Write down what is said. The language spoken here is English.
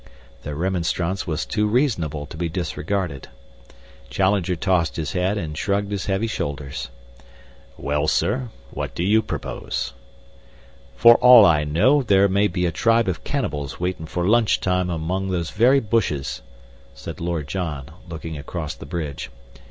The remonstrance was too reasonable to be disregarded. Challenger tossed his head and shrugged his heavy shoulders. "Well, sir, what do you propose?" "For all I know there may be a tribe of cannibals waitin' for lunch time among those very bushes," said Lord John, looking across the bridge.